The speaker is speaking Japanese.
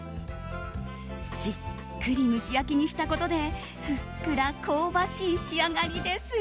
じっくり蒸し焼きにしたことでふっくら香ばしい仕上がりです。